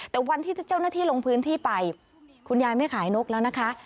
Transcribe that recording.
แต่วันที่เจ้าหน้าที่ลงพื้นที่ไปคุณยายไม่ขายนกแล้วนะคะ